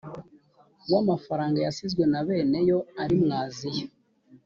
w amafaranga yasizwe na bene yo ari mu aziya